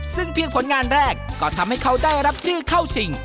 ซึ่งเพียงผลงานแรกก็ทำให้เขาได้รับชื่อเข้าชิง